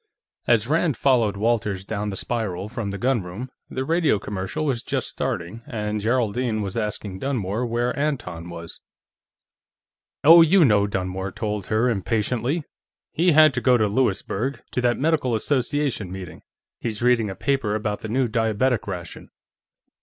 As Rand followed Walters down the spiral from the gunroom, the radio commercial was just starting, and Geraldine was asking Dunmore where Anton was. "Oh, you know," Dunmore told her, impatiently. "He had to go to Louisburg, to that Medical Association meeting; he's reading a paper about the new diabetic ration."